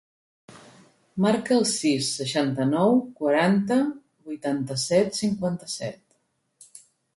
Marca el sis, seixanta-nou, quaranta, vuitanta-set, cinquanta-set.